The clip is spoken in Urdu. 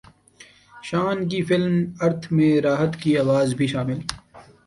شان کی فلم ارتھ میں راحت کی اواز بھی شامل